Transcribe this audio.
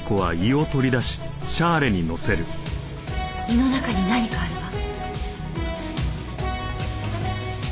胃の中に何かあるわ。